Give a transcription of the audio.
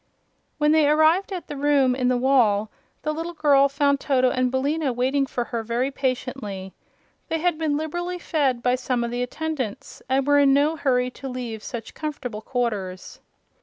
When they arrived at the room in the wall the little girl found Toto and Billina waiting for her very patiently. They had been liberally fed by some of the attendants and were in no hurry to leave such comfortable quarters.